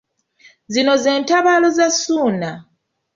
Zino ze ntabaalo za Ssuuna.